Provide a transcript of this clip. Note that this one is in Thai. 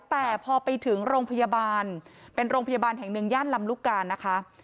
แต่พอไปถึงโรงพยาบาลเป็นโรงพยาบาลแห่งหนึ่งย่านลำลูกกานะคะ